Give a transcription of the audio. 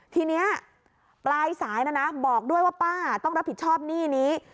ทีนี้ปลายสายนะนะบอกด้วยว่าป้าต้องรับผิดชอบหนี้นี้